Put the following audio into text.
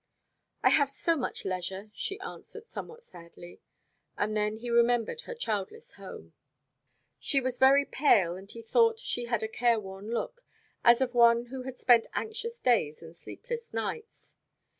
"I have so much leisure," she answered somewhat sadly; and then he remembered her childless home. She was very pale, and he thought she had a careworn look, as of one who had spent anxious days and sleepless nights.